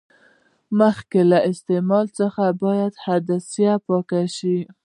مخکې له استعمال څخه باید عدسې پاکې شي.